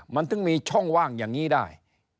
มันถึงมีช่องว่างอย่างนี้ได้